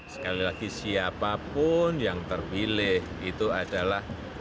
sekali lagi siapapun yang terpilih itu adalah